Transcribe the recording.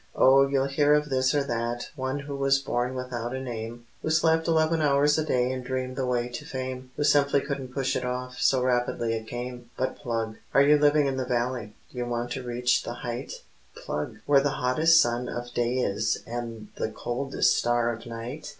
Oh, you'll hear of this or that one who was born without a name, Who slept eleven hours a day and dreamed the way to fame, Who simply couldn't push it off, so rapidly it came! But plug. Are you living in the valley? Do you want to reach the height? Plug! Where the hottest sun of day is and the coldest stars of night?